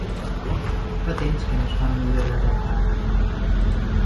Fa temps que no es fan millores al parc.